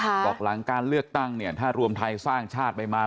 บอกหลังการเลือกตั้งเนี่ยถ้ารวมไทยสร้างชาติไปมา